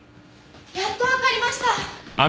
やっとわかりました！